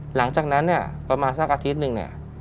หลังจากนั้นประมาณสักอาทิตย์หนึ่ง